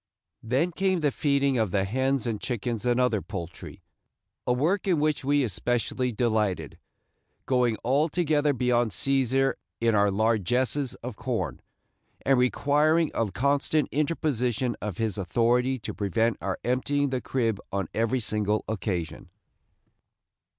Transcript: Then came the feeding of the hens and chickens and other poultry, a work in which we especially delighted, going altogether beyond Cæsar in our largesses of corn, and requiring a constant interposition of his authority to prevent our emptying the crib on every single occasion.